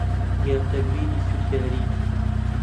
گا تەکبیری جووتیاری